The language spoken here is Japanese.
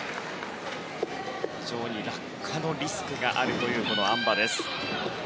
非常に落下のリスクがあるというあん馬です。